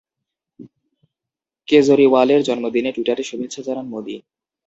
কেজরিওয়ালের জন্মদিনে টুইটারে শুভেচ্ছা জানান মোদি।